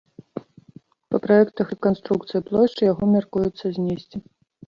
Па праектах рэканструкцыі плошчы яго мяркуецца знесці.